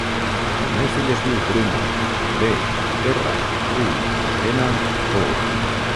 El meu fill es diu Bruno: be, erra, u, ena, o.